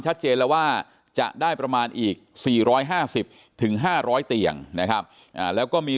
ชัดเจนแล้วว่าจะได้ประมาณอีก๔๕๐๕๐๐เตียงนะครับแล้วก็มี